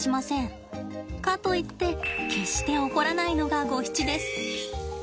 かといって決して怒らないのがゴヒチです。